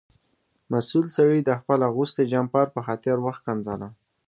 مسؤل سړي د خپل اغوستي جمپر په خاطر وښکنځلم.